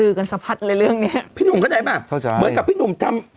ลือกันสัมผัสในเรื่องเนี้ยพี่หนุ่มเข้าใจป่ะเหมือนกับพี่หนุ่มทำ